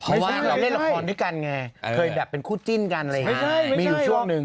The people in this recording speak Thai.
เพราะว่าเราเล่นละครด้วยกันไงเคยแบบเป็นคู่จิ้นกันอะไรอย่างนี้มีอยู่ช่วงหนึ่ง